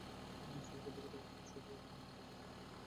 শেষবার দেখিতে আসিয়া শশীর মনে হইয়ালি বিন্দুর বোধ হয় ছেলে হইবে।